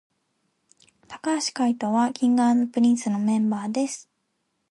髙橋海人は King & Prince のメンバーです